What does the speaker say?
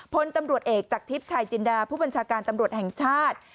พลตำรวจเอกจากทิพย์ชายจินดาผู้บัญชาการตำรวจแห่งชาติ